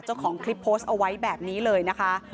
เจ้าของคลิปโพสต์เอาไว้แบบนี้เลยนะคะ